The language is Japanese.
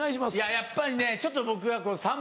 やっぱりねちょっと僕さん